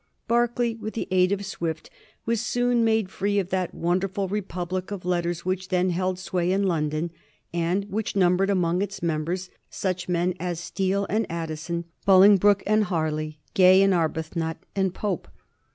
Berkeley, with the aid of Swift, was soon made free of that wonderful republic of letters which then held sway in London, and which numbered anK>ng its members such men as Steele and Addison, Bolingbroke and Harley, Gay and Arbuth not, and Pope.